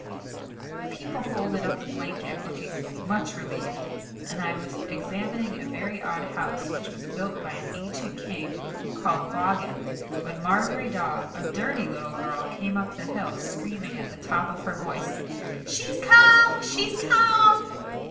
The people folded up the blanket, looking much relieved; and I was examining a very odd house which was built by an ancient king called Boggen, when Margery Daw, a dirty little girl, came up the hill, screaming, at the top of her voice: "She's come! she's come!"